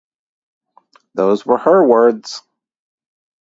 Those were her words.